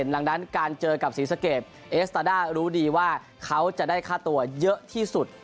ดังนั้นการเจอกับศรีสะเกดเอสตาด้ารู้ดีว่าเขาจะได้ค่าตัวเยอะที่สุด